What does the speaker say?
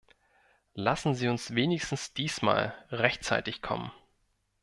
Lassen Sie uns wenigstens diesmal rechtzeitig kommen.